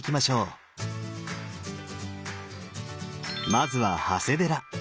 まずは長谷寺。